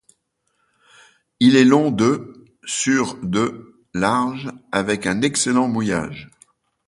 Il est long de sur de large, avec un excellent mouillage.